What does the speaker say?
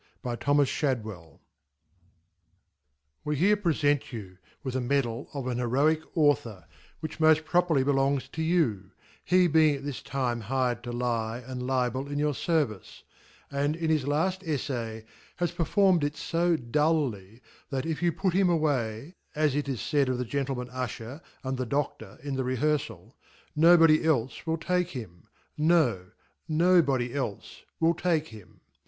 "W" 3C" 7"£ here prefentyou with a Medal of an Hero %/%/ ick Author , which tnojl properly belongs to y Y you i (he being at this time hired to Lye and Label in your fervice) and in his lajl Ejfay , has performed it fo duBy , that if you tut him away (as it isfaid. of the G£n tlernan Ufher and the Doftor in the Rehearfal ) No bodyelfe will take him ;. No, No body elfe will take him.